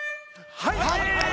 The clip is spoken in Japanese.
はい。